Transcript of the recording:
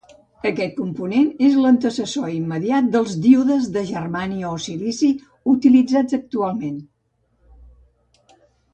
Aquest component és l'antecessor immediat dels díodes de germani o silici utilitzats actualment.